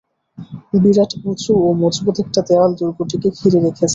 বিরাট উঁচু ও মজবুত একটা দেয়াল দুর্গটিকে ঘিরে রেখেছে।